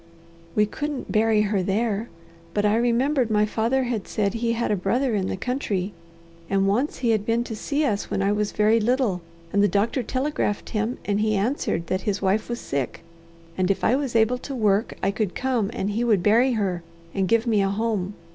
"We couldn't bury her there. But I remembered my father had said he had a brother in the country, and once he had been to see us when I was very little, and the doctor telegraphed him, and he answered that his wife was sick, and if I was able to work I could come, and he would bury her, and give me a home.